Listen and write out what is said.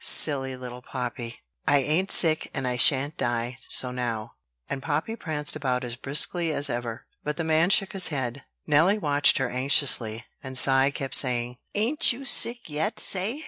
Silly little Poppy! "I ain't sick, and I shan't die, so now." And Poppy pranced about as briskly as ever. But the man shook his head, Nelly watched her anxiously, and Cy kept saying: "Ain't you sick yet, say?"